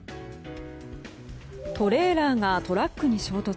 トレーラーがトラックに衝突。